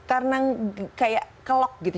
karena kayak kelok gitu